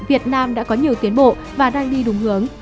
bộ nông nghiệp đã có nhiều tiến bộ và đang đi đúng hướng